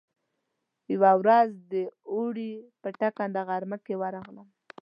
يوه ورځ د اوړي په ټکنده غرمه کې ورغلم.